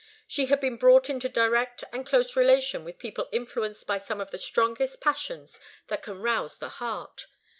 She had been brought into direct and close relation with people influenced by some of the strongest passions that can rouse the heart.